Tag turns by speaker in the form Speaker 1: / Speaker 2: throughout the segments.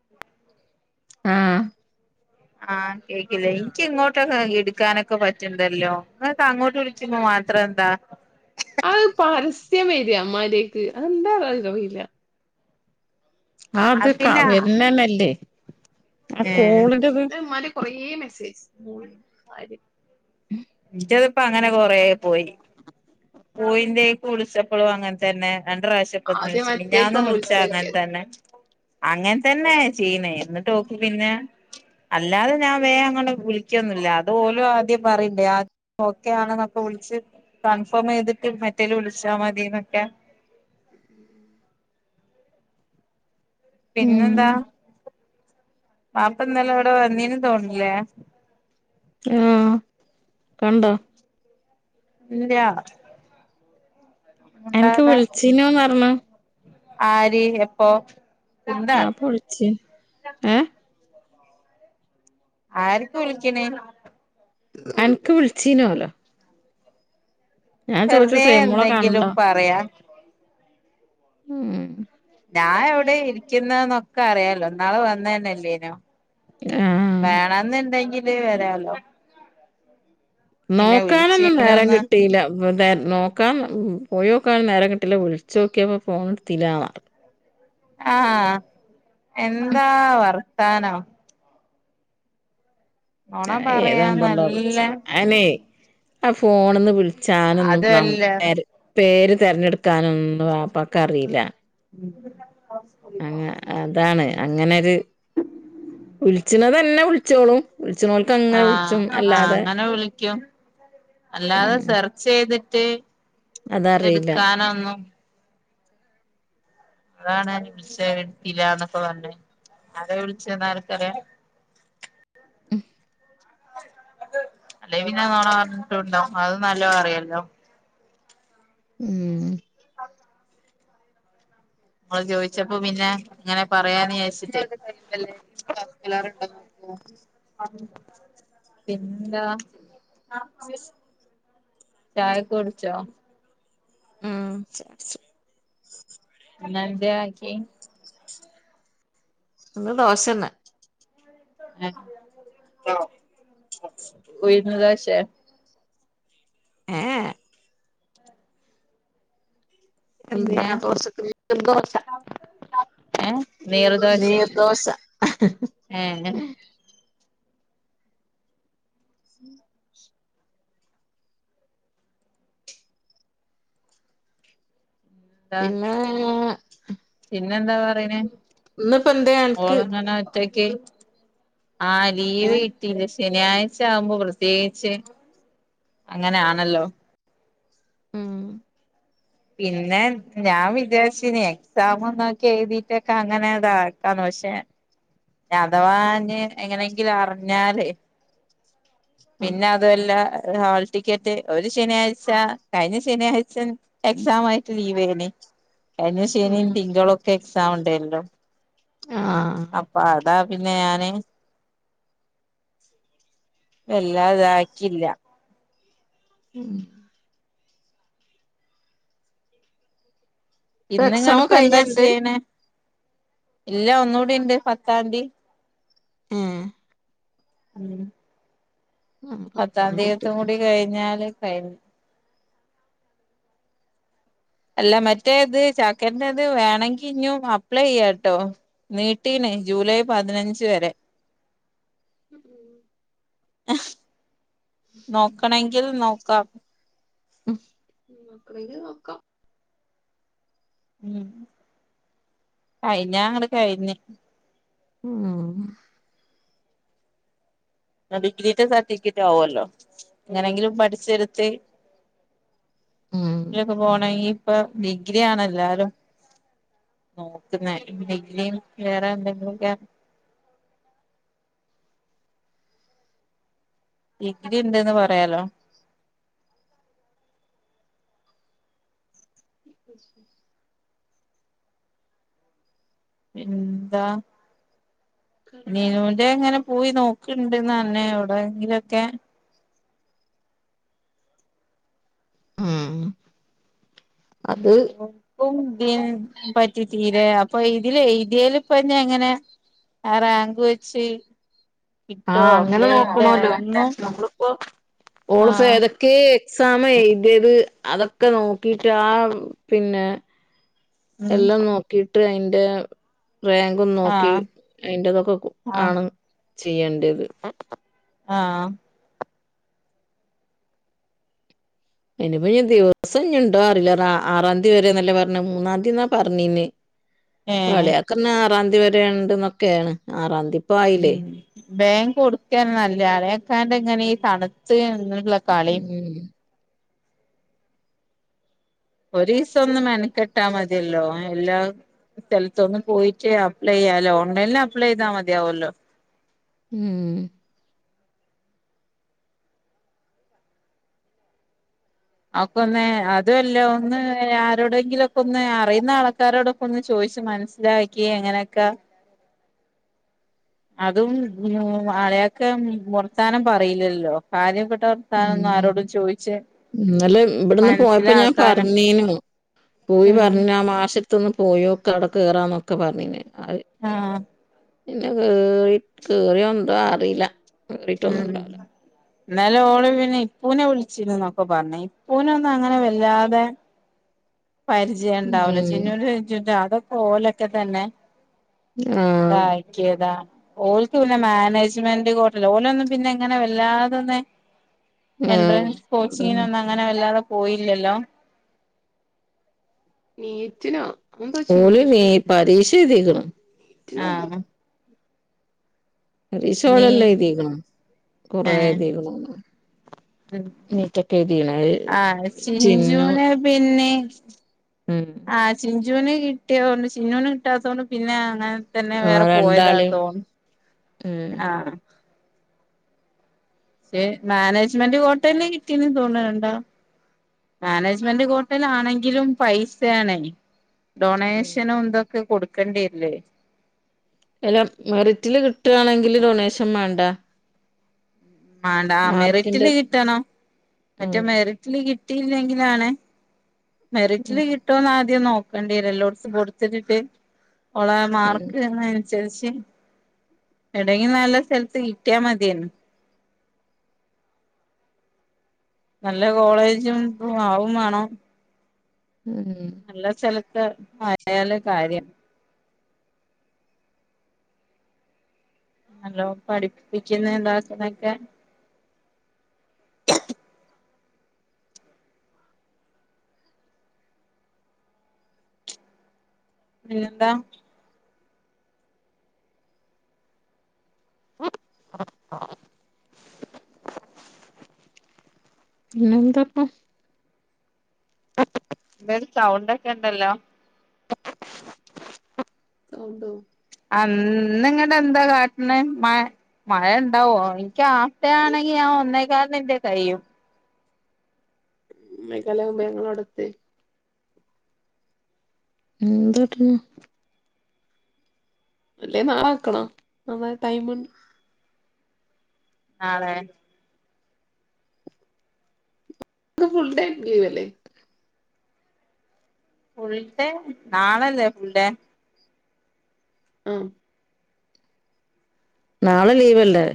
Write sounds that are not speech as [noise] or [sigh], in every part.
Speaker 1: ഉ [inaudible]
Speaker 2: ആഹ്
Speaker 1: ആഹ് കേക്കില്ലേ എനിക്ക് ഇങ്ങോട്ടൊക്കെ എടുക്കാനൊക്കെ പറ്റണ്ടല്ലോ അങ്ങോട്ട് തിരിച്ച് വിളിച്ചു മാത്രം എന്താ
Speaker 2: അത് പരസ്യം വരിക അവൻ മാരേക്ക് എന്താന്നറിയില്ല ആ അത് വര്ന്നാലല്ലേ ആ
Speaker 1: ഏഹ്
Speaker 2: കോളിന്റെ കുറെേ മെസ്സേജ് മൂന്ന് കാര്യം
Speaker 1: ഇന്റേത് ഇപ്പം അങ്ങനെ കൊറെപോയി പൂവിന്റെ യ്ക്ക് വിളിച്ചപ്പോളും അങ്ങനെ തന്നെ രണ്ടു പ്രാവശ്യം
Speaker 2: ആദ്യം
Speaker 1: [unintelligible] മിനിഞ്ഞാന്നും
Speaker 2: മറ്റേക്കൊന്ന്
Speaker 1: വിളിച്ചു അങ്ങനെ
Speaker 2: വിളിച്ചോക്കിയത്
Speaker 1: തന്നെ അങ്ങനെ തന്നെ ചെയീണ് ഇന്നട്ട് ഓക്ക് പിന്നെ അല്ലാതെ ഞാൻ വേഗം അങ്ങനെ വിളിക്കൊന്നുമില്ല അത് ഓലും ആദ്യം പറയും [inaudible] ഓക്കെ ആണെന്നൊക്കെ വിളിച്ച് കൺഫേം ചെയ്തിട്ട് മറ്റേൽ വിളിച്ചാൽ മതി എന്നൊക്കെ പിന്നെന്താ
Speaker 2: ഉം
Speaker 1: വാപ്പ ഇന്നെലെ ഇവിടെ വന്നീന് തോന്നലേ
Speaker 2: ആഹ് കണ്ടോ
Speaker 1: ഇല്ലാ
Speaker 2: എനിക്ക് വിളിച്ചീനോന്ന് പറഞ്ഞു
Speaker 1: ആര് എപ്പൊ
Speaker 2: വാപ്പ വിളിച്ചു ഏഹ്
Speaker 1: ആര്ക്ക് വിളിക്കണേ
Speaker 2: എനക്ക് വിളിച്ചീനല്ലോ ചോദിച്ചു
Speaker 1: വെറുതെ
Speaker 2: സേമോളെ കണ്ടോ
Speaker 1: എന്തെങ്കിലും പറയാം
Speaker 2: ഉം
Speaker 1: ഞാൻ എവിടെ ഇരിക്കുന്നന്നൊക്കെ അറിയാലോ ഇന്നാള് വന്നതന്നെല്ലേനോ
Speaker 2: ആഹ്
Speaker 1: വേണന്നുണ്ടെങ്കില് വരാല്ലോ
Speaker 2: നോക്കാനൊന്നും നേരം
Speaker 1: വിളിച്ചീനോന്ന്
Speaker 2: കിട്ടിയില്ല നോക്കാം പോയോക്കൻ നേരം കിട്ടില്ല വിളിച്ചക്കിയപ്പോ ഫോൺ എടുതില്ലാർഞ്ഞ്
Speaker 1: ആഹ് എന്താ വർത്താനം നുണ
Speaker 2: ഞാൻ ഏത്
Speaker 1: പറയാൻ
Speaker 2: നമ്പറ്ല്ലാ
Speaker 1: നല്ല
Speaker 2: വിളിചോട്ടെ അനെ ആ ഫോണന്ന് വിളിച്ചാനൊന്നും നമ
Speaker 1: അതല്ല
Speaker 2: [unintelligible] പേര് തിരഞ്ഞെടുക്കാനൊന്നും വാപ്പക്ക് അറിയില്ല അങ്ങ
Speaker 1: [unintelligible]
Speaker 2: അതാണ് അങ്ങനെരു വിളിച്ചണ തന്നെ വിളിച്ചോളൂ വിളിച്ച് നോല്ക്ക
Speaker 1: ആഹ് ആഹ് അങ്ങനെ വിളിക്കും അല്ലാതെ
Speaker 2: ഉം
Speaker 1: സെ റ്ച്ച് യ്തിട്ട്
Speaker 2: അതറിയില്ല
Speaker 1: എടുക്കാനൊന്നും അതാണ് വിളിച്ച എടതില്ലന്നൊക്കെ പറഞ്ഞേ ആരാ വിളിച്ചന്നർക്കറിയാ
Speaker 2: [unintelligible]
Speaker 1: അല്ലെ പിന്നെ നെണ പറഞ്ഞിട്ടുണ്ടാവും അത് നല്ലോണ അറിയല്ലോ
Speaker 2: ഉം
Speaker 1: ഇങ്ങള് ചോയിച്ചപ്പോ പിന്നെ ങ്ങനെ പറയാന്ന്ചാരിച്ചിട്ട് [unintelligible] പിന്നെന്താ ചായ ഒക്കെ കുടിച്ചോ
Speaker 2: ആ ചായ കുട്ച്ച്
Speaker 1: ഇന്നെന്തെ ആക്കി
Speaker 2: ഇന്ന് ദോശ ന്നെ
Speaker 1: [unintelligible] ഉഴുന്ന് ദോശെ
Speaker 2: ഏ ഏ എന്തെന്
Speaker 1: പിന്നെ
Speaker 2: ആ ദോശക്ക് [unintelligible]
Speaker 1: ഏഹ്
Speaker 2: നീർദോശ നീർദോശ
Speaker 1: ഏ എ
Speaker 2: [inaudible] പിന്നെ [unintelligible]
Speaker 1: പിന്നെ എന്താ പറിണെ
Speaker 2: ഇന്നിപ്പോ എന്തേ അനക്ക്
Speaker 1: ഓളങ്ങനെ ച്ചക്ക് ആഹ് ലീവ്
Speaker 2: ഏ
Speaker 1: കി ട്ടിനി ശനിയാഴ്ച ആകുമ്പോ പ്രത്യേകിച്ച് അങ്ങനൊണല്ലോ
Speaker 2: ഉം
Speaker 1: പിന്നെ ഞാൻ വിച്ചാരിച്ചിനി എക്സാം ഒന്നൊക്കെ എഴുതിട്ടൊക്കെ അങ്ങനെ അതാക്കാന്ന് പക്ഷേ അതാവാഞ്ഞ് എങ്ങനെങ്കിലും അറിഞ്ഞാല്
Speaker 2: ആ
Speaker 1: പിന്നെ അതുല്ല ഒരു ഹോൾ ടിക്കറ്റ് ഒരു ശനിയാഴ്ച കഴിഞ്ഞ ശനിയാഴ്ച എക്സാം ആയിട്ട് ലീവ് എനി കഴിഞ്ഞ ശനി
Speaker 2: ഉം
Speaker 1: തിങ്കളൊക്കെ എക്സാം ഉണ്ടെനിയല്ലോ
Speaker 2: ആഹ്
Speaker 1: അപ്പ അതാ പിന്നെ ഞാന് വെല്ലാതാക്കില്ല
Speaker 2: ഉം എക്സാം
Speaker 1: ഇന്ന്ങ്ങട്ട്പ്പൊ എന്താ
Speaker 2: കഴിഞ്ഞണ്ട്
Speaker 1: ചെയ്യ്ണ് ഇല്ല ഒന്നുകൂടിണ്ട് പത്താംതി
Speaker 2: ഉം
Speaker 1: ഉം പത്താം തിയതിക്കൂടി കഴിഞ്ഞാല് കഴിഞ്ഞ് അല്ല മറ്റേ ഇത് ചാക്കൻ്റെത് വേണങ്കി ഇഞ്ഞും അപ്ലെയ്യാട്ടോ നീട്ടീണ് ജൂലൈ പതിനഞ്ച് വരെ
Speaker 2: [inaudible]
Speaker 1: നോക്കണെങ്കിൽ നോക്കാം
Speaker 2: ഉം നോക്കണെങ്കി നോക്കാം
Speaker 1: ഉം കയിഞ്ഞാ അങ്ങട് കയിഞ്ഞ്
Speaker 2: ഉം
Speaker 1: ന്നാ ഡിഗ്രീന്റെ സർട്ടിഫിക്കറ്റ് ആവോല്ലോ എങ്ങനെങ്കിലും പഠിച്ചെടുത്ത്
Speaker 2: ഉം
Speaker 1: [unintelligible] പോണെങ്കി ഇപ്പ ഡിഗ്രി ആണെല്ലാരും നോക്ക്ന്നാല് [unintelligible] വേറെ എന്തെങ്കിലൊക്കെ ഡിഗ്രി ഇണ്ട്ന്ന് പറയാലോ
Speaker 2: [inaudible]
Speaker 1: എന്താ നിനൂന്റെ എങ്ങനെ പോയി നോക്ക്ണ്ട്ന്നർഞ്ഞെ എവിടെങ്കിലൊക്കെ
Speaker 2: ഉം അത്
Speaker 1: [unintelligible] തീരെ അപ്പൊ ഇതില് എയ്തേല്പ്പഞ്ഞി എങ്ങനെ ആ റാങ്ക് വെച്ച് കിട്ടോ
Speaker 2: ആഹ് അങ്ങനെ
Speaker 1: പ്ലേന്റെ
Speaker 2: നോക്കണോല്ലോ
Speaker 1: ഒന്നും
Speaker 2: നമ്മള്പ്പോ ഓള്പ്പെ
Speaker 1: ആഹ്
Speaker 2: ഏതൊ ക്കെ എക്സാം എഴുതിയത് അതൊക്കെ നോക്കീട്ട് ആ പിന്നെ
Speaker 1: ഉം
Speaker 2: എല്ലം നോക്കീട്ട് അയിന്റെ റാങ്ക് ക്കും നോക്കി
Speaker 1: ആഹ്
Speaker 2: അയിന്റതൊക്കെ കു
Speaker 1: ആഹ്
Speaker 2: ആണ് ചെയ്യേണ്ടത്
Speaker 1: ആഹ്
Speaker 2: അയ്നിപ്പഞ്ഞി ദിവസം ഞ്ഞിണ്ടോ അറീല അറാ ആറാന്തി വരേന്നല്ലെ പറഞ്ഞ് മൂന്നാന്തീന്ന പറഞ്ഞീന്ന്
Speaker 1: ഏഹ്
Speaker 2: അളിയാക്കർഞ്ഞ് ആറാന്തി വരെണ്ട്ന്നൊക്കെയാണ് ആറാന്തി
Speaker 1: ഉം വേം കൊടുക്കേരുന്നു നല്ല അളിയാക്കാന്റെങ്ങനെ ഈ തണുത്ത്
Speaker 2: ഉം
Speaker 1: കളിയും ഒരീസൊന്ന് മെനക്കെട്ടാ മതിയല്ലോ എല്ലാം [unintelligible] പോയിട്ട് അപ്ലൈയ്യാലോ. ഓൺലൈനിൽ അപ്ലൈയ്താ മതിയാവൊല്ലോ
Speaker 2: ഉം
Speaker 1: അപ്പൊന്നേ അതൊല്ല ഒന്ന് ആരോടെങ്കിലൊക്കെയൊന്ന് അറിയുന്ന ആൾക്കാരോടും ഒന്ന് ചോയ്ച്ച് മനസ്സിലാക്കി എങ്ങനെയൊക്കെ അതും ഉം അളിയാക്ക വർത്താനം പറയില്ലല്ലോ കാര്യപ്പെട്ട വർ
Speaker 2: ഉം ഇന്നലെ ഇബ്ട്ന്ന് പോയപ്പൊ ഞാൻ
Speaker 1: മനസ്സിലാക്കാനും
Speaker 2: പറഞ്ഞീനു പോയി
Speaker 1: ഉം
Speaker 2: പർഞ്ഞാ മാഷട്ത്തൊന്ന് പോയോക്കാ അവടെ കേറാന്നൊക്കെ പറഞ്ഞീനെഅഹ്
Speaker 1: ആഹ്
Speaker 2: പിന്ന കേറി കേറിയെന്തോ അറീല
Speaker 1: ഉം ഇന്നലെ ഓള് പിന്നെ ഇപ്പൂനെ വിളിച്ചിന്നുന്നൊക്കെ പർഞ്ഞ്. ഇപ്പൂനൊന്നും അങ്ങനെ വല്ലാതെ പരിചയം ഇണ്ടാവൂല
Speaker 2: ഉം
Speaker 1: ചിന്നൂന്റെ ചിഞ്ചൂന്റെ അതൊക്കെ ഓലൊക്കെ തന്നെ
Speaker 2: ആഹ്
Speaker 1: ക്കിയതാ ഓൽക്ക് പിന്നെ മാനേജ്മെന്റ് കോട്ടീല ഓലൊന്നും പിന്നെങ്ങനെ വല്ലാതൊന്ന്
Speaker 2: ആഹ്
Speaker 1: എൻട്രൻസ്
Speaker 2: അതന്നെ
Speaker 1: കോച്ചിങ്ങിനൊന്നും അങ്ങനെ വല്ലാതെ പോയില്ലല്ലോ
Speaker 2: നീറ്റിനോ മുമ്പ് ഓള് നീ പരീക്ഷ എഴ്തീക്ക്ണ്.
Speaker 1: ആഹ്
Speaker 2: പരീക്ഷ ഓള്
Speaker 1: നീ
Speaker 2: എല്ലാം എഴ്‌തീക്ക്‌ണ് കൊറേ
Speaker 1: ഏഹ്
Speaker 2: എഴ്തീക്ക്ണ്
Speaker 1: ഉം
Speaker 2: നീറ്റൊക്കെ എഴുതീയ്ണ് അവ്
Speaker 1: ആഹ്
Speaker 2: ചിന്നു
Speaker 1: ചിഞ്ചുന് പിന്നെ
Speaker 2: [unintelligible]
Speaker 1: ആഹ് ചിഞ്ചൂന് കിട്ടിയതോണ്ട് ചിന്നൂന് കിട്ടാത്തത്കൊണ്ട് പിന്നെ അങ്ങ തന്നെ
Speaker 2: ആ
Speaker 1: വേറെ
Speaker 2: രണ്ടാളീം
Speaker 1: പോയതാത്തോ
Speaker 2: ഉം
Speaker 1: ആഹ് ഏഹ് മാനേജ്മെന്റ് കോട്ടേന്ന് കിട്ടീന്ന് തോൺണ് ണ്ടോ മാനേജ്മെന്റ് കോട്ടൽ ആണെങ്കിലും പൈസയാണേ ഡൊണേഷനും ഇതൊക്കെ കൊടുക്കേണ്ടി വരില്ലേ
Speaker 2: അല്ല മെറിറ്റില് കിട്ടാണെങ്കില് ഡൊണേഷൻ വേണ്ട
Speaker 1: മാണ്ട
Speaker 2: മാർക്കിന്റെ
Speaker 1: മെറിറ്റില് കിട്ടണം മറ്റേ
Speaker 2: ഉം
Speaker 1: മെറി റ്റില് കിട്ടിയില്ലെങ്കിലാണ് മെറിറ്റില്
Speaker 2: ഉം
Speaker 1: കി ട്ടോന്ന ആദ്യം നോക്കേണ്ടിര എല്ലോട്ത്തും കൊടുത്തിട്ടിട്ട് ഉള്ള
Speaker 2: ഉം
Speaker 1: മാർക്ക്ന്നയ്നൻസ് സരിച്ച് എടേങ്കിലും നല്ല സ്ഥലത്ത് കിട്ടിയാ മതിയന്ന് നല്ല കോളേജും ആവും വേണം
Speaker 2: ഉം
Speaker 1: നല്ല സ്ഥലത്ത് ആയാല് കാര്യം നല്ലോ പഠിപ്പിക്കുന്ന എന്താക്കുന്നെക്കെ പിന്നെന്താ
Speaker 2: [unintelligible] പിന്നെ എന്താപ്പം
Speaker 1: ന്താഒരു ചൗണ്ടൊക്കെണ്ടല്ലോ
Speaker 2: സൗണ്ടോ
Speaker 1: അന്ന് ങ്ങടെ എന്താ കാട്ട്ണ് മഴ മഴണ്ടാവോ ക്കാഫ്ടെ ആണെങ്കി ഞാൻ ഒന്നേക്കാൽന്ന് ന്റെ കയ്യും
Speaker 2: ഒന്നേകാലാവുമ്പോ ഞങ്ങളവിടെ എത്തുഎയ് എന്താട്ട്ണ് അല്ലെ നാള ആക്കണോ [unintelligible] ടൈമ്
Speaker 1: നാളെ
Speaker 2: ന്ന് ഫുൾടൈം ലീവല്ലേ
Speaker 1: ഫുൾടൈം നാളല്ലേ ഫുൾഡേ
Speaker 2: ഉം നാളെ ലീവല്ലേ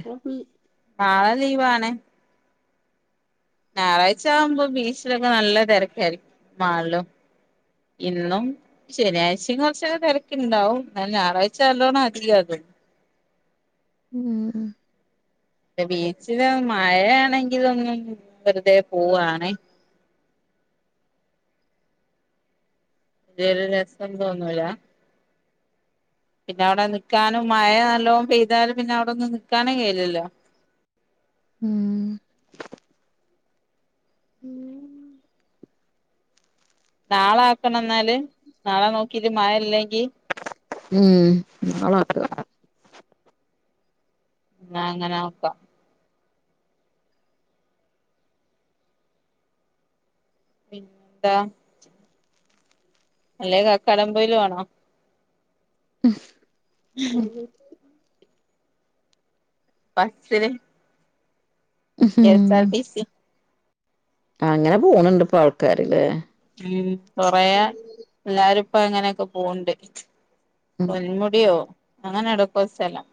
Speaker 1: നാളെ ലീവാണ് ഞായറാഴ് ആകുമ്പോ ബീച്ചിലൊക്കെ നല്ല തെരക്കായിരിക്കും മാൾളും ഇന്നും ശനിയഴ്ചയും കൊർച്ചക്കെ തെരക്കുണ്ടാവും എന്നാ ഞായറാഴ്ച അല്ലോണം [unintelligible]
Speaker 2: ഉം ഉം
Speaker 1: ബീച്ചില് മഴയാണെങ്കിലൊന്നും വെറുതെ പോവാണ് [unintelligible] ഒരു രസം തോന്നൂലാ പിന്നെ അവിടെ നിക്കാനും മഴ നല്ലോം പെയ്താലും പിന്നെ അവിടൊന്നും നിൽക്കാനും കയില്ലല്ലോ
Speaker 2: ഉം ഉം
Speaker 1: നാളെ ആക്കണംന്നാല് നാളെ നോക്കീട്ട് മഴ ഇല്ലെങ്കി
Speaker 2: ഉം നാളാക്കാ
Speaker 1: ന്നാ അങ്ങനെ നോക്കാ പിന്നെന്താ അല്ലെ കക്കാടംപൊയീല് പോണോ
Speaker 2: ഹും. അല്ലങ്കി
Speaker 1: ബസ്സിന് കെ
Speaker 2: ഉം
Speaker 1: സാ ആർ ടി സി
Speaker 2: അങ്ങനെ പോണ്ണ്ട് ഇപ്പൊ ആൾക്കാര്ലേ
Speaker 1: ഉം കൊറയെ എല്ലാരുപ്പോ അങ്ങനെയൊക്കെ പോണ്ട്
Speaker 2: ഉം
Speaker 1: പൊന്മുടിയോ അങ്ങനെ എടക്കോ സ്ഥലം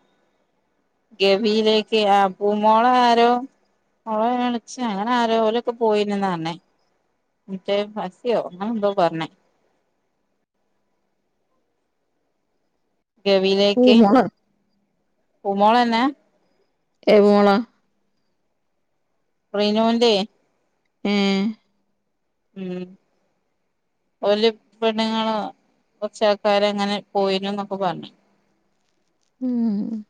Speaker 1: ഗവീലേക്ക് ആ പൂമോളെ ആരോ ഓളെ എളേച്ചിയോ വെറെ ആരോ ഓലൊക്കെ പോയിന് ന്നാ പർഞ്ഞെ മിട്ടെ പസിയോ അങ്ങനെ എന്തോ പർഞ്ഞ് ഗവീലേക്ക്
Speaker 2: പൂമോള്
Speaker 1: പൂമോളന്നെ
Speaker 2: എ മോളാ
Speaker 1: റിനുന്റെ
Speaker 2: ഏഹ്
Speaker 1: ഉം ഓല് പെണ്ണ്ങ്ങളോ കൊറച്ചാൾക്കാരങ്ങനെ പോയിന് ന്നൊക്കെ പറഞ്
Speaker 2: ഉം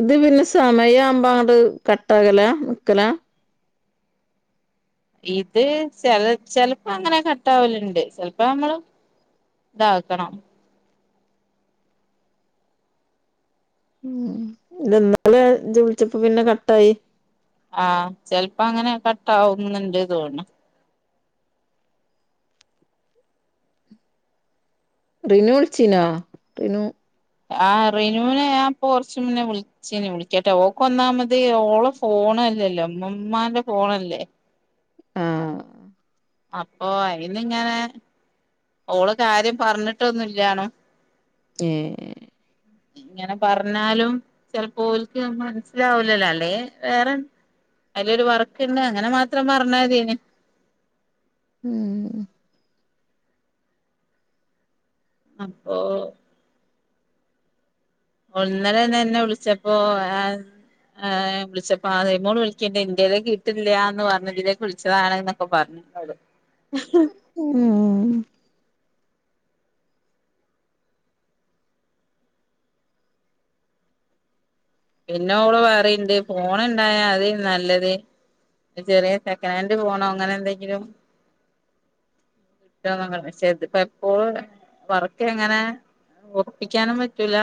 Speaker 2: ഇത് പിന്നെ സമയാബ അങ്ങട്ട് കട്ടാകലാ നിക്കലാ
Speaker 1: ഇത് ചെല് ചെല്‌പ്പം അങ്ങനെ കട്ടാവല്ണ്ട് ചെല്‌പ്പം ഞമ്മള് താക്കണം
Speaker 2: ഉം ഇന്നലെ ജ് വിള്ച്ചപ്പോ പിന്നെ കട്ടായി
Speaker 1: ആ ചെൽപ്പങ്ങനെ കട്ടാവുന്നുണ്ട് തോന്ന്ണ്
Speaker 2: റിനു വിളിച്ചീനോ റിനു
Speaker 1: ആഹ് റിനുനെ ഞാപ്പ കൊറച്ച് മുന്നെ വിളി ച്ചീനി വിളിക്കട്ടെ ഓക്ക് ഒന്നാമത് ഓള ഫോണല്ലല്ലോ ഇമ്മമാന്റെ ഫോണല്ലേ
Speaker 2: ആഹ്
Speaker 1: അപ്പൊ അയ്ന്ഇങ്ങനെ ഓള കാര്യം പറഞ്ട്ടൊന്നുല്ല്യണു
Speaker 2: ഏഹ്
Speaker 1: ഇങ്ങന പർഞ്ഞാലും ചെല്‌പ്പോ ഓൽക്ക് ഞമ്മളെ മൻസ്സിലാവൂലല്ലോ അല്ലെങ്കി വേറെ അയ്ലൊരു വർക്ക്ണ്ട് അങ്ങന മാത്രം പറഞ്ഞാ യതീന്
Speaker 2: ഉം
Speaker 1: അപ്പൊ ഓൾ ഇന്നലന്നെ ന്ന വിളിച്ചപ്പോ ഏ വിളിച്ചപ്പോ ആ റിമോള് വിളിക്ക്ണ്ട് ഇന്റലേക്ക് കിട്ടില്യാന്ന് പറഞ്ഞ് ഇതിലേക്ക് വിളിച്ചതാണ് ന്നൊക്കെ പറഞ് അതെ
Speaker 2: ഉം
Speaker 1: പിന്നെ ഓള് പറിണ്ട് ഫോൺണ്ടായ അതെ നല്ലത് ഒര് ചെറേ സെക്കനേറ്റ് ഫോണോ അങ്ങനെ എന്തെങ്കിലും [unintelligible] പക്ഷേ ഇത്പ്പ എപ്പോഴും വർക്ക് എങ്ങനെ ഒർപ്പിക്ക്യാനും പറ്റൂല